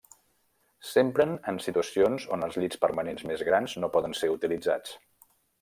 S'empren en situacions on els llits permanents més grans no poden ser utilitzats.